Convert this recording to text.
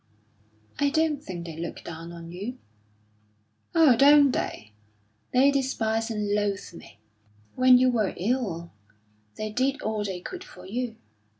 "I don't think they look down on you." "Oh, don't they? They despise and loathe me." "When you were ill, they did all they could for you."